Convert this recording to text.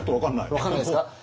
分かんないですか。